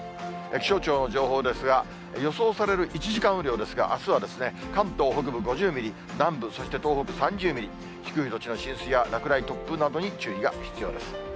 気象庁の情報ですが、予想される１時間雨量ですが、あすは関東北部５０ミリ、南部、そして東北３０ミリ、低い土地の浸水や落雷、突風などに注意が必要です。